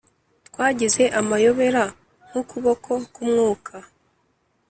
twagize amayobera nk'ukuboko k'umwuka